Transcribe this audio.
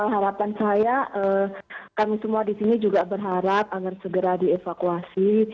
harapan saya kami semua di sini juga berharap agar segera dievakuasi